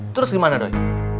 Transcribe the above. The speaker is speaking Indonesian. terus gimana doi